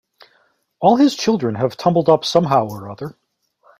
All his children have tumbled up somehow or other.